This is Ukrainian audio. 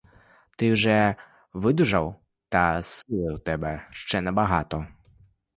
Ти вже видужав, та сили в тебе ще небагато.